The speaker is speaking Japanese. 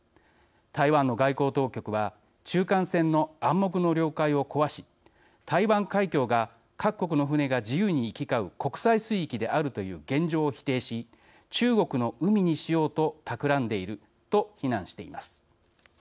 台湾の外交当局は「中間線の暗黙の了解を壊し台湾海峡が各国の船が自由に行き交う国際水域であるという現状を否定し、中国の海にしようとたくらんでいる」と非難しています。